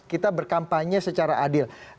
kita berkampanye secara adil